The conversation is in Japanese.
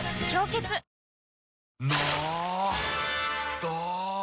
ど！